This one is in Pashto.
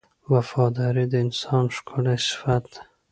• وفاداري د انسان ښکلی صفت دی.